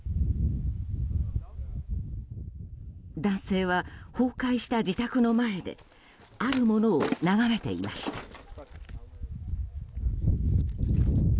男性は、崩壊した自宅の前であるものを眺めていました。